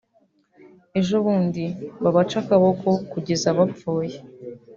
ejobundi babace akaboko kugeza bapfuye